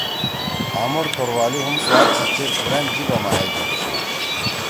ہامُوڑ توروالی ہُم سوات سی چیر پُرأن جیِبا ما اے جیِب چھی۔